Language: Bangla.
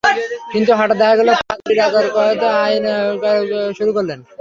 কিন্তু হঠাৎ দেখা গেল পাদরি রাজার করা আইন বাতিল করা শুরু করলেন।